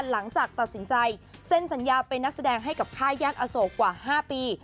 หลังจากตัดสินใจเซ็นสัญญาเป็นนักแสดงให้กับค่ายแยกอโศกกว่า๕ปี